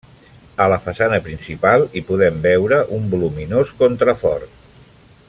A la façana principal hi podem veure un voluminós contrafort.